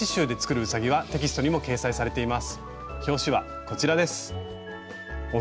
表紙はこちらです。